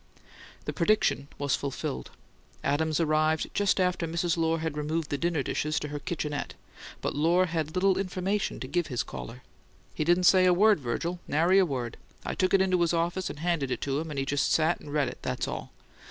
The prediction was fulfilled: Adams arrived just after Mrs. Lohr had removed the dinner dishes to her "kitchenette"; but Lohr had little information to give his caller. "He didn't say a word, Virgil; nary a word. I took it into his office and handed it to him, and he just sat and read it; that's all.